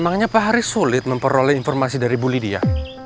memangnya pak haris sulit memperoleh informasi dari bu lydia